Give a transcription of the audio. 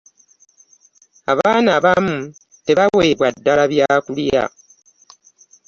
Abaana abamu tebaweebwa ddala byakulya.